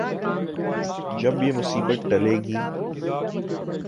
جب یہ مصیبت ٹلے گی۔